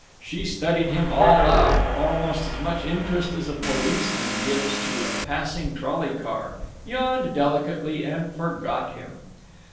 She studied him all out, with almost as much interest as a policeman gives to a passing trolley car, yawned delicately, and forgot him.